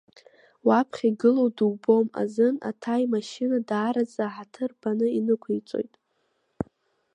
Уаԥхьа игылоу дубом азын, Аҭаи имашьына даараӡа аҳаҭыр баны иныҟәицоит.